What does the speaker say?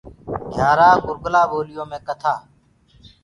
گھيآرآنٚ گُرگُلآ ٻوليو مي ڪٿآ۔